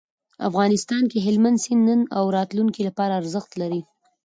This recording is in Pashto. افغانستان کې هلمند سیند د نن او راتلونکي لپاره ارزښت لري.